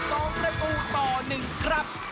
สองประตูต่อหนึ่งครับ